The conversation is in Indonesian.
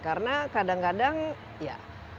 karena kadang kadang ya